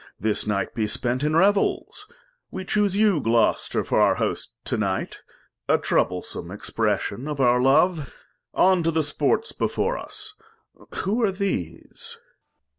This Night be spent in Revels : We chuse you, Gloster, for our Host to Night, A troublesome Expression of our Love. On, to the Sports before us. Who are these